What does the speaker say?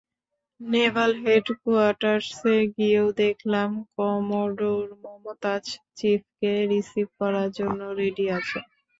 নেভাল হেডকোয়ার্টার্সে গিয়েও দেখলাম কমোডর মমতাজ চিফকে রিসিভ করার জন্য রেডি আছেন।